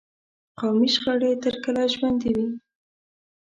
قومي شخړې تر کله ژوندي وي.